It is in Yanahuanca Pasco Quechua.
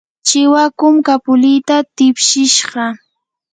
chiwakum kapulita tiwshishqa.